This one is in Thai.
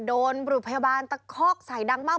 บรุพยาบาลตะคอกใส่ดังมาก